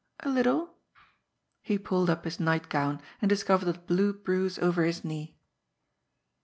" A little." He pulled up his nightgown and discovered a blue bruise over his knee.